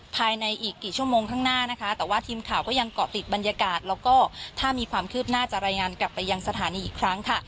ภายในอีกกี่ชั่วโมงข้างหน้านะคะแต่ว่าทีมข่าวก็ยังเกาะติดบรรยากาศแล้วก็ถ้ามีความคืบหน้าจะรายงานกลับไปยังสถานีอีกครั้งค่ะ